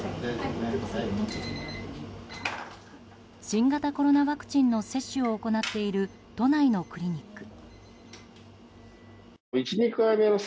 新型コロナワクチンの接種を行っている、都内のクリニック。